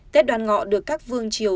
tết đoàn ngọ được các vương chiều